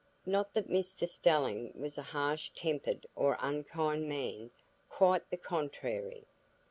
Not that Mr Stelling was a harsh tempered or unkind man; quite the contrary.